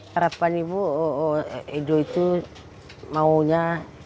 harapan edo itu maunya